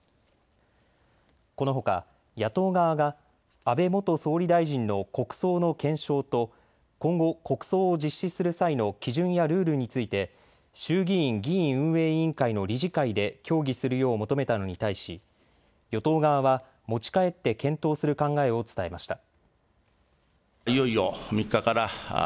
このほか野党側が安倍元総理大臣の国葬の検証と今後、国葬を実施する際の基準やルールについて衆議院議院運営委員会の理事会で協議するよう求めたのに対し与党側は持ち帰って検討する考えを伝えました。